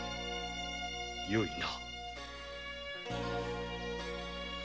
よいな。